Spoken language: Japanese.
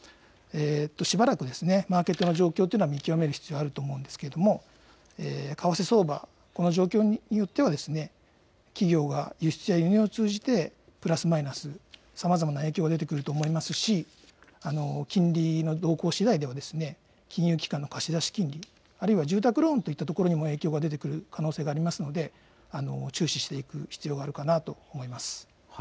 しばらくマーケットの状況というのは見極める必要あると思うんですけれども、為替相場の状況によっては企業が輸出や輸入を通じて、プラスマイナスさまざまな影響が出てくると思いますし、金利の動向しだいでは、金融機関の貸し出し金利、あるいは住宅ローンといったところにも影響が出てくる可能性がありますので、注視していく必要があるかなと思います。